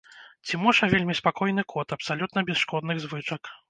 Цімоша вельмі спакойны кот, абсалютна без шкодных звычак.